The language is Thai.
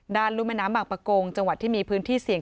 รุ่มแม่น้ำบางประกงจังหวัดที่มีพื้นที่เสี่ยง